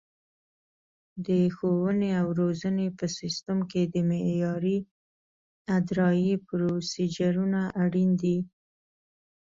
د ښوونې او روزنې په سیستم کې د معیاري ادرایې پروسیجرونه اړین دي.